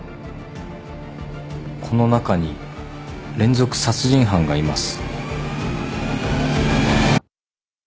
この中に連続殺人犯がいます。